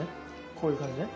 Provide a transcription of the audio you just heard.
こういう感じね。